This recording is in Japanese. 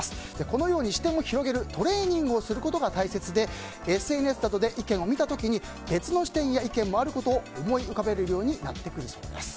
このように視点を広げるトレーニングをすることが大切でＳＮＳで意見を見た時に別の視点や意見もあることを思い浮かべるようになってくるようです。